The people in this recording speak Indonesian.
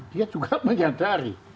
dia juga menyadari